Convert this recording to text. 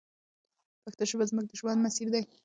پښتو ژبه زموږ د ژوند مسیر دی.